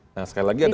nah sekali lagi adalah